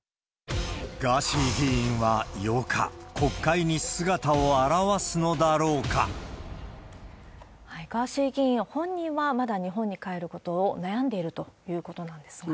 ガーシー議員は８日、ガーシー議員本人は、まだ日本に帰ることを悩んでいるということなんですが。